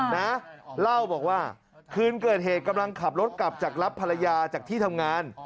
นะเล่าบอกว่าคืนเกิดเหตุกำลังขับรถกลับจากรับภรรยาจากที่ทำงาน